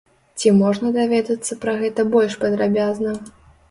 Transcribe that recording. Ці можна даведацца пра гэта больш падрабязна?